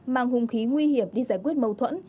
mang hùng khí nguy hiểm đi giải quyết mâu thuẫn